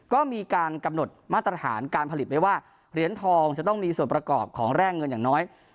ก็มีการกำหนดมาตรฐานการผลิตไว้ว่าเหรียญทองจะต้องมีส่วนประกอบของแร่เงินอย่างน้อย